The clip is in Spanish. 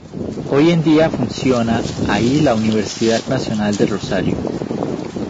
Hoy en día funciona ahí la Universidad Nacional de Rosario.